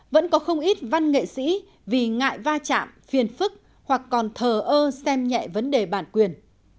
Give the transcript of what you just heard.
vẫn có không ít văn nghệ sĩ vì ngại va chạm phiền phức hoặc còn thờ ơ xem nhẹ vấn đề bản quyền